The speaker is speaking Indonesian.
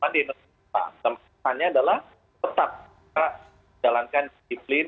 adalah tetap jalankan disiplin